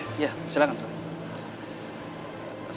ya silahkan pak w